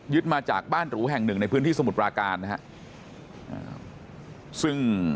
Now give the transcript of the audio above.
มาจากบ้านหรูแห่งหนึ่งในพื้นที่สมุทรปราการนะฮะซึ่ง